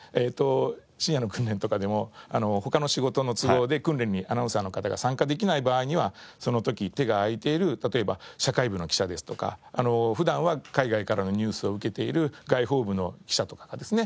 深夜の訓練とかでも他の仕事の都合で訓練にアナウンサーの方が参加できない場合にはその時手が空いている例えば社会部の記者ですとか普段は海外からのニュースを受けている外報部の記者とかがですね